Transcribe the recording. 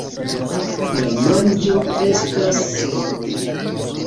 La manĝo estas semoj.